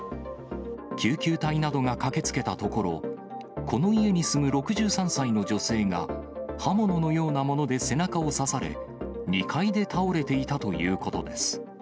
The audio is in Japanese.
救急隊などが駆けつけたところ、この家に住む６３歳の女性が、刃物のようなもので背中を刺され、２階で倒れていたということです。